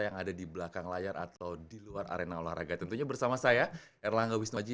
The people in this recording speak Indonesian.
yang ada di belakang layar atau di luar arena olahraga tentunya bersama saya erlangga wisnuaji